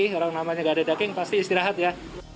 kalau namanya gak ada daging pasti istirahat ya